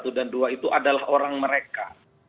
bahwa para eselon satu dan dua itu adalah orang mereka